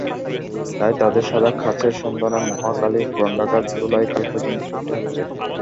তাই তাদের সাদা কাচের সন্ধানে মহাখালী, পুরান ঢাকার ধোলাইখাল পর্যন্ত ছুটতে হচ্ছে।